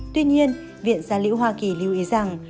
tuy nhiên viện gia liễu hoa kỳ lưu ý rằng